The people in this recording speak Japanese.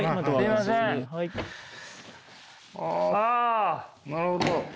あなるほど。